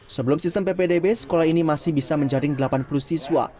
sebelum sistem ppdb sekolah ini masih bisa menjaring delapan puluh siswa